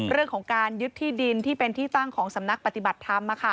เรื่องของการยึดที่ดินที่เป็นที่ตั้งของสำนักปฏิบัติธรรม